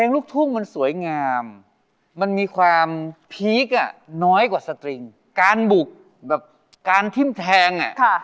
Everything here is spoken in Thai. ลูกทุ่งมันสวยงามมันมีความพีคอ่ะน้อยกว่าสตริงการบุกแบบการทิ้มแทงอ่ะ